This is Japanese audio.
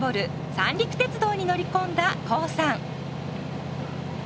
三陸鉄道に乗り込んだコウさん。